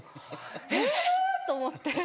えぇ！と思って。